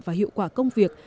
và hiệu quả công việc